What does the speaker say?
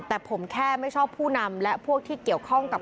แต่ผมแค่ไม่ชอบผู้นำและพวกที่เกี่ยวข้องกับ